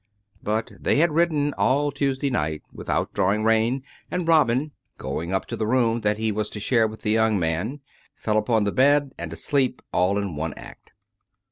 But they had ridden all Tuesday night without drawing rein, and Robin, going up to the room that he was to share with the young man, fell upon the bed, and asleep, all in one act.